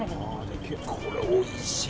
これ、おいしい！